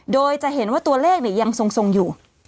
โดยจะเห็นว่าตัวเลขยังทรงอยู่